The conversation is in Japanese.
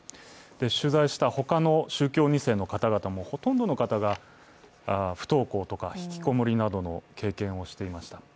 取材したほかの宗教２世の方々もほとんどの方が不登校とかひきこもりなどの経験をしていました。